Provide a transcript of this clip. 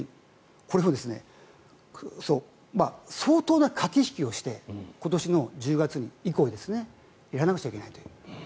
これを相当な駆け引きをして今年の１０月以降やらなくちゃいけないという。